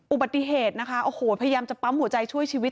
อุบัติเหตุนะคะโอ้โหพยายามจะปั๊มหัวใจช่วยชีวิต